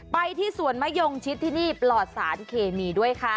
ไปที่สวนมายงชิดพรรดศาลเคมีด้วยค่ะ